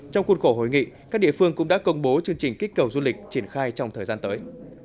trong khuôn khổ hội nghị các địa phương cũng đã công bố chương trình kích cầu du lịch triển khai trong thời gian tới